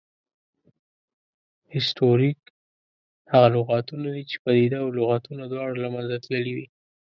هسټوریک هغه لغتونه دي، چې پدیده او لغتونه دواړه له منځه تللې وي